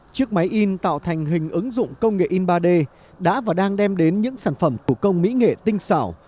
chiếc máy in tạo thành hình ứng dụng công nghệ in ba d đã và đang đem đến những sản phẩm thủ công mỹ nghệ tinh xảo